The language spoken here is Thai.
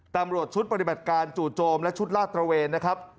ตำรวจชุดปฏิบัติการจู่โจมและชุดลาดตระเวนนะครับ